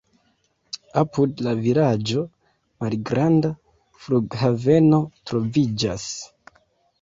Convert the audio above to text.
Apud la vilaĝo malgranda flughaveno troviĝas.